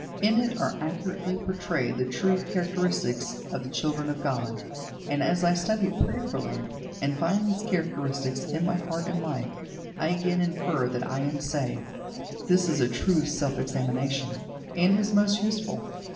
In it are accurately portrayed the true characteristics of the children of God; and as I study it prayerfully, and find these characteristics in my heart and life, I again infer that I am saved. This is true self examination, and is most useful.